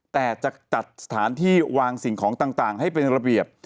แต่จะจัดสถานที่วางสิ่งของต่างให้เป็นระเบียบ